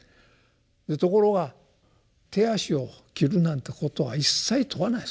ところが手足を切るなんてことは一切問わない。